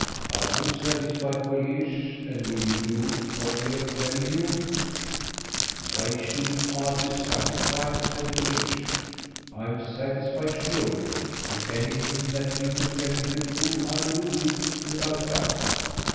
Are you satisfied, Guleesh, and will you do what we're telling you?" "Why shouldn't I be satisfied?" said Guleesh. "I'm satisfied, surely, and anything that ye will tell me to do I'll do it without doubt."